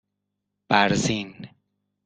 بَرزین